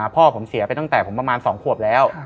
พ่อผมเสียไปตั้งแต่ผมประมาณ๒ขวบแล้ว